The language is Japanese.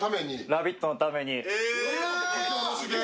「ラヴィット！」のために。